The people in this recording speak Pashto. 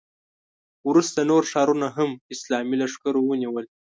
وروسته نور ښارونه هم اسلامي لښکرو ونیول.